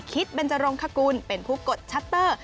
เบนจรงคกุลเป็นผู้กดชัตเตอร์